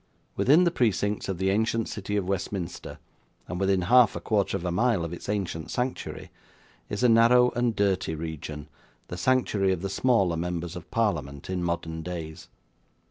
Within the precincts of the ancient city of Westminster, and within half a quarter of a mile of its ancient sanctuary, is a narrow and dirty region, the sanctuary of the smaller members of Parliament in modern days.